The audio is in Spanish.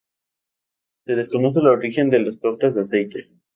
Se desconoce el origen de las tortas de aceite.